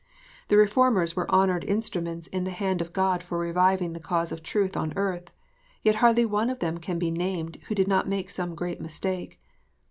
The Reformers were honoured instruments in the hand of God for reviving the cause of truth on earth. Yet hardly one of them can be named who did not make some great mistake.